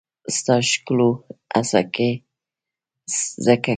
ستا ښکلولو هڅه ځکه کوم.